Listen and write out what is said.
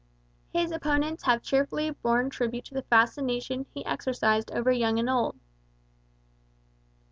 His opponents have cheerfully borne tribute to the fascination he exercised over young and old.